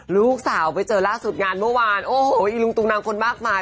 ลูกสาวไปเจอล่าสุดงานเมื่อวานโอ้โหอีลุงตุงนังคนมากมาย